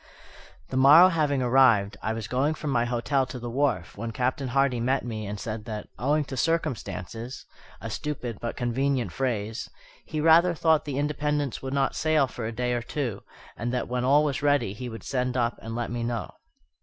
The morrow having arrived, I was going from my hotel to the wharf, when Captain Hardy met me and said that, "owing to circumstances" (a stupid but convenient phrase), "he rather thought the Independence would not sail for a day or two, and that when all was ready he would send up and let me know."